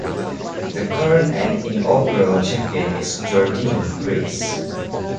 The current and inaugural champion is Jordynne Grace.